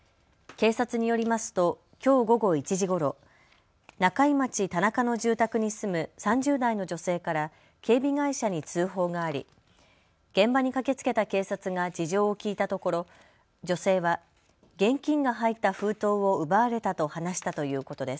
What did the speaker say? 警察によりますときょう午後１時ごろ、中井町田中の住宅に住む３０代の女性から警備会社に通報があり現場に駆けつけた警察が事情をきいたところ女性は現金が入った封筒を奪われたと話したということです。